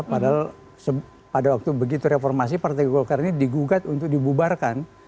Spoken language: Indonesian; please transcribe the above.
padahal pada waktu begitu reformasi partai golkar ini digugat untuk dibubarkan